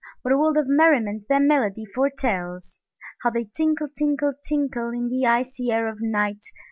What a world of merriment their melody foretells! How they tinkle, tinkle, tinkle, In the icy air of night!